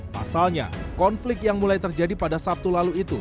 pasalnya konflik yang mulai terjadi pada sabtu lalu itu